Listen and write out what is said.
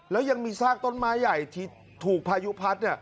แล้วยังมีซากต้นไม้ใหญ่ที่ถูกพายุพัด